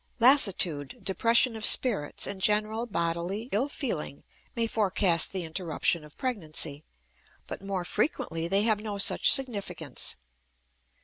Lassitude, depression of spirits, and general bodily ill feeling may forecast the interruption of pregnancy; but more frequently they have no such significance.